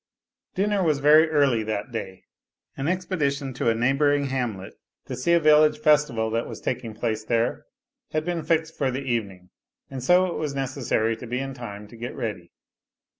Dinner was very early that day. An expedition to a neigh bouring hamlet to see a village festival that was taking place there had been fixed for the evening, and so it was necessary to be in time to get ready.